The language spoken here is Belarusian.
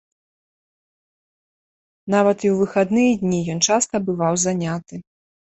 Нават і ў выхадныя дні ён часта бываў заняты.